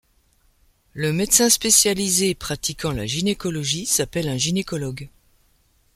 Le médecin spécialisé pratiquant la gynécologie s'appelle un gynécologue.